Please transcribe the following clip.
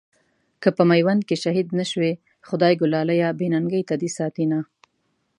که په ميوند کې شهيد نه شوې، خدایږو لاليه بې ننګۍ ته دې ساتينه